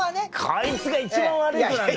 こいつが一番悪い子なんだよ。